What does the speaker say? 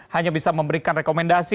hanya bisa memberikan rekomendasi